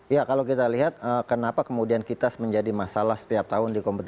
ya kalau kita lihat kenapa kemudian kitas menjadi masalah setiap tahun dikomunikasi